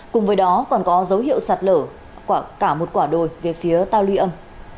cùng với đó còn có dấu hiệu sạt lở cả một quả đồi về phía ta luy âm